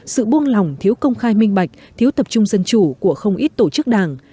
sự buông lỏng thiếu công khai minh bạch thiếu tập trung dân chủ của không ít tổ chức đảng